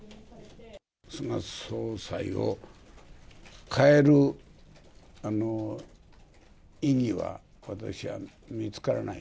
菅総裁を変える意義は、私は見つからない。